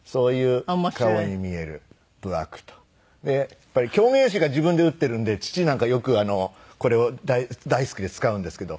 やっぱり狂言師が自分で打っているので父なんかよくこれを大好きで使うんですけど。